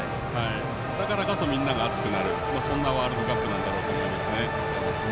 だからこそみんなが熱くなるそんなワールドカップなんだと思います。